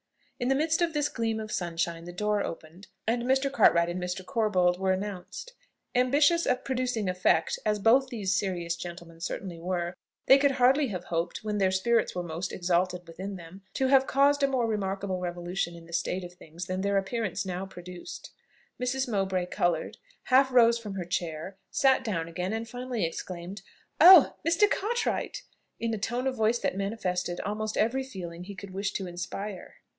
In the midst of this gleam of sunshine the door opened, and Mr. Cartwright and Mr. Corbold were announced. Ambitions of producing effect as both these serious gentlemen certainly were, they could hardly have hoped, when their spirits were most exalted within them, to have caused a more remarkable revolution in the state of things than their appearance now produced. Mrs. Mowbray coloured, half rose from her chair, sat down again, and finally exclaimed, "Oh! Mr. Cartwright!" in a tone of voice that manifested almost every feeling he could wish to inspire.